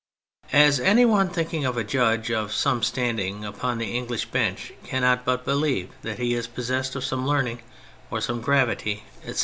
As any one thinking of a judge of some standing upon the English bench cannot but believe that he is possessed of some learning or some gravity, etc.